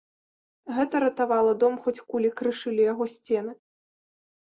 Гэта ратавала дом, хоць кулі крышылі яго сцены.